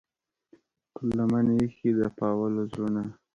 پر لمن ایښې د پاولو زړونه